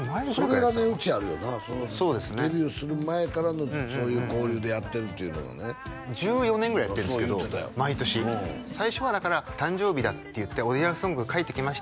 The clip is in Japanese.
それが値打ちあるよなデビューする前からのそういう交流でやってるっていうのがね１４年ぐらいやってるんですけど毎年最初はだから誕生日だっていって「お祝いソングを書いてきました」